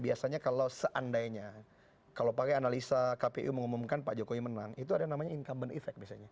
biasanya kalau seandainya kalau pakai analisa kpu mengumumkan pak jokowi menang itu ada namanya incumbent effect biasanya